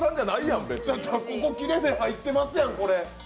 ここ切れ目入ってますやん。